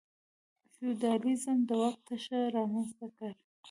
فیوډالېزم د واک تشه رامنځته کړه.